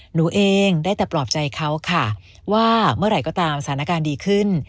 หนูเองได้แต่ปลอบใจเขาค่ะว่าเมื่อไหร่ก็ตามสถานการณ์ดีขึ้น